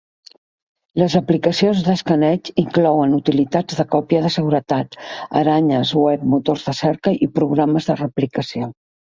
Les aplicacions d'escaneig inclouen utilitats de còpia de seguretat, aranyes web, motors de cerca i programes de replicació.